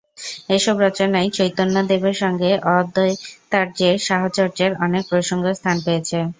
এসব রচনায় চৈতন্যদেবের সঙ্গে অদ্বৈতাচার্যের সাহচর্যের অনেক প্রসঙ্গ স্থান পেয়েছে।